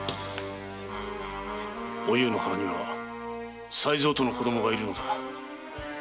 おゆうの腹には才蔵との子供がいるのだ。